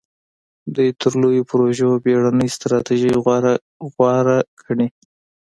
دوی تر لویو پروژو بېړنۍ ستراتیژۍ غوره ګڼلې.